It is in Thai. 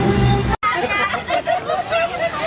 สุดท้ายสุดท้ายสุดท้าย